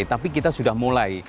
tapi kita sudah mulai